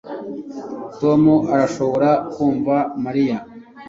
Tom arashobora kumva Mariya